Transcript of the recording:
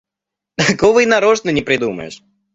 Такого и нарочно не придумаешь.